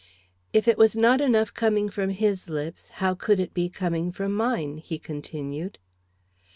"If it was not enough coming from his lips, how could it be coming from mine?" he continued.